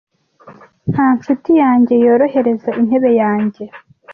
Nta nshuti yanjye yorohereza intebe yanjye,